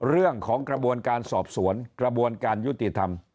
เรื่องของการสอบสวนกระบวนการยุติธรรม